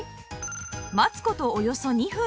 待つ事およそ２分